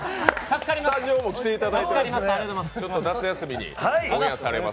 スタジオも来ていただいてますし、夏休みにオンエアされます